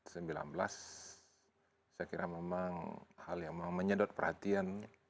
saya kira memang hal yang menyedot perhatian